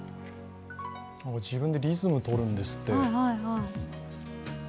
自分でリズムをとるんですって。